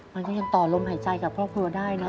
มันก็ยังต่อลมหายใจกับครอบครัวได้เนอ